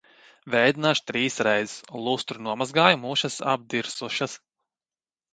Vēdināšu trīs reizes. Lustru nomazgāju, mušas apdirsušas.